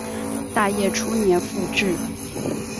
大业初年复置。